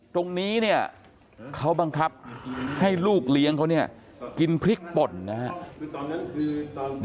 ตรงนี้เนี่ยเขาบังคับให้ลูกเลี้ยงเขาเนี่ยกินพริกป่นนะครับ